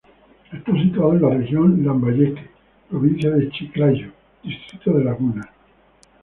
Está situado en la Región Lambayeque, provincia de Chiclayo, Distrito de Lagunas.